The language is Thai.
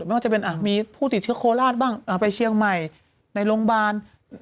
ไม่ว่าจะเป็นมีผู้ติดเชื้อโคราชบ้างไปเชียงใหม่ในโรงพยาบาล